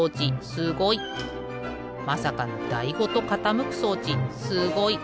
まさかのだいごとかたむく装置すごい！